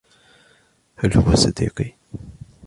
هل هو صديقي ؟